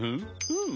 うん。